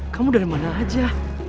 kamu dari mana aja